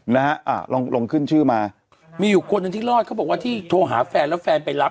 นะฮะอ่าลองลงขึ้นชื่อมามีอยู่คนหนึ่งที่รอดเขาบอกว่าที่โทรหาแฟนแล้วแฟนไปรับ